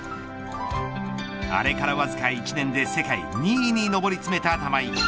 あれからわずか１年で世界２位に上り詰めた玉井。